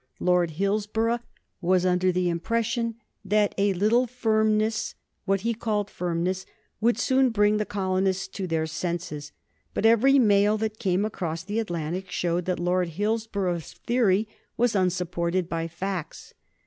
Lord Hillsborough was under the impression that a little firmness what he called firmness would soon bring the colonists to their senses, but every mail that came across the Atlantic showed that Lord Hillsborough's theory was unsupported by facts.